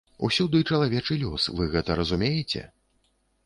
Усюды чалавечы лёс, вы гэта разумееце?